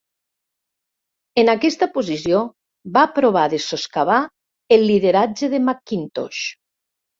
En aquesta posició va provar de soscavar el lideratge de McIntosh.